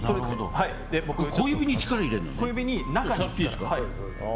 小指に力を入れるのね。